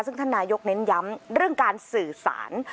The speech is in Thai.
ซึ่งท่านนายกเน้นย้ำเรื่องการสื่อสาร